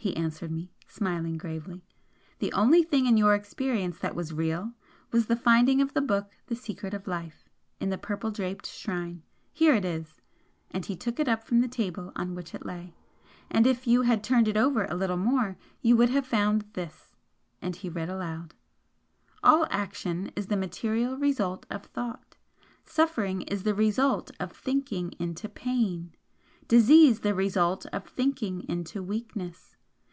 he answered me, smiling gravely "The only thing in your experience that was REAL was the finding of the book 'The Secret of Life' in the purple draped shrine. Here it is" and he took it up from the table on which it lay "and if you had turned it over a little more, you would have found this" and he read aloud "'All action is the material result of Thought. Suffering is the result of THINKING INTO PAIN disease the result of THINKING INTO WEAKNESS.